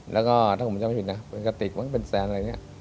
แล้วก็ถ้าผมไม่ผิดนะมันเป็นแซนอะไรอย่างนี้